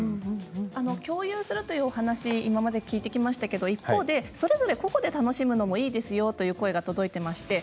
共有するというお話を今まで聞いてきましたけれども一方で個々で楽しむのもいいですよという声も届いています。